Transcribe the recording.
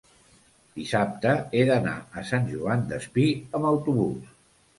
dissabte he d'anar a Sant Joan Despí amb autobús.